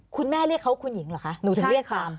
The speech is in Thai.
เรียกเขาคุณหญิงเหรอคะหนูถึงเรียกตาม